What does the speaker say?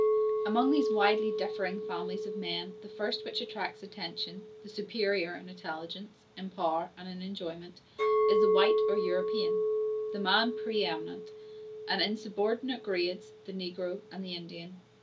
Amongst these widely differing families of men, the first which attracts attention, the superior in intelligence, in power and in enjoyment, is the white or European, the man pre eminent; and in subordinate grades, the negro and the Indian.